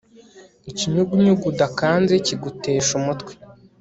Ikinyugunyugu udakanze kigutesha umutwe